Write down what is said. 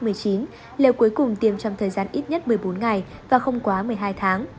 liều cuối cùng tiêm trong thời gian ít nhất một mươi bốn ngày và không quá một mươi hai tháng